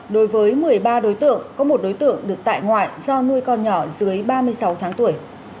đối với một mươi ba đối tượng có một đối tượng được tại ngoại do nuôi con nhỏ dưới ba mươi sáu tháng tuổi